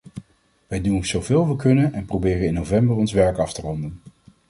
Wij doen zoveel we kunnen en proberen in november ons werk af te ronden.